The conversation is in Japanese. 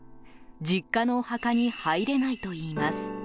実家のお墓に入れないといいます。